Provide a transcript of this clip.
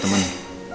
dia temen ya